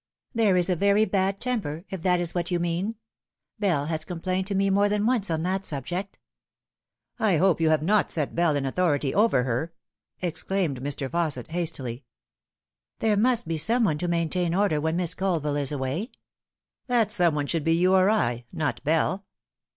" There is a very bad temper, if that is what you mean. Bell has complained to me more than once on that subject." " I hope you have not set Bell in authority over her," ex claimed Mr. Fausset hastily. "There must be some one to maintain order when Miss Colville is away." " That some one should be you or I, not Bell."